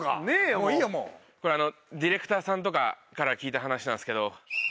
これディレクターさんとかから聞いた話なんですけど。